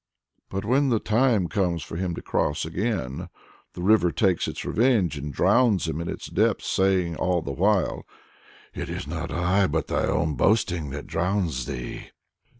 But when the time comes for him to cross back again, the river takes its revenge, and drowns him in its depths, saying the while: "It is not I, but thy own boasting that drowns thee."